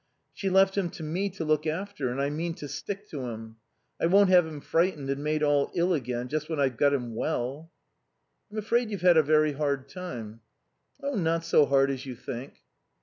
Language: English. She left him to me to look after and I mean to stick to him. I won't have him frightened and made all ill again just when I've got him well." "I'm afraid you've had a very hard time." "Not so hard as you think."